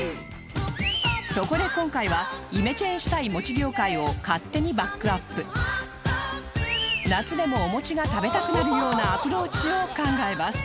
そこで今回はイメチェンしたいもち業界を勝手にバックアップ夏でもおもちが食べたくなるようなアプローチを考えます